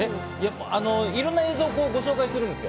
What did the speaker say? いろんな映像をご紹介するんですよ。